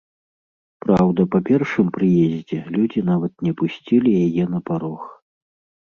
Праўда, па першым прыездзе людзі нават не пусцілі яе на парог.